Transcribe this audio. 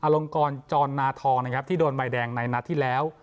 ลงกรจรนาทองนะครับที่โดนใบแดงในนัดที่แล้ว